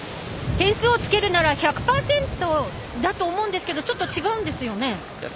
点数をつけるなら１００％だと思うんですけどちょっと違うんですよね？